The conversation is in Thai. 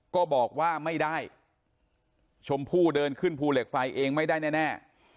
ก็บอกว่าไม่ได้ชมพู่เดินขึ้นภูเหล็กไฟเองไม่ได้แน่